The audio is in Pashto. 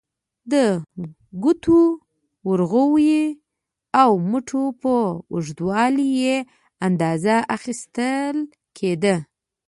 د ګوتو، ورغوي او مټو په اوږدوالي یې اندازه اخیستل کېده.